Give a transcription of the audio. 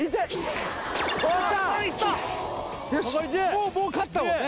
もうもう勝ったもんね